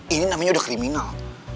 ini namanya udah kriminal